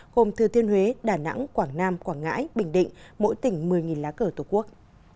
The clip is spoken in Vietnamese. gồm thừa thiên huế đà nẵng quảng nam quảng ngãi bình định mỗi tỉnh một mươi lá cờ tổ quốc